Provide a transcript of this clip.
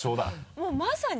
もうまさに。